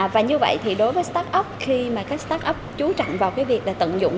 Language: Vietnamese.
và như vậy thì đối với start up khi mà các start up chú trọng vào việc tận dụng